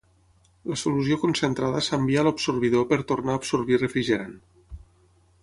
La solució concentrada s'envia a l'absorbidor per tornar a absorbir refrigerant.